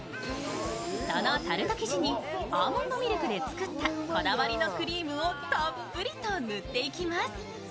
そのタルト生地にアーモンドミルクで作ったこだわりのクリームをたっぷりと塗っていきます。